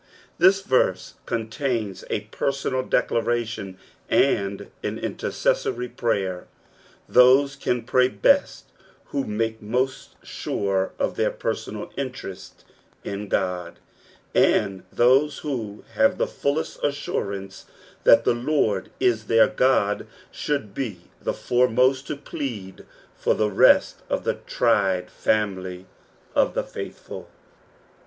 This verse contains k personal declaration and an intercessory prayer i those can pray best who mike most sure of their personal interest in God, and those who have the fullest assurance that the Lord is their God should Im the foremost to plead for the rest of the tried family of the faithful.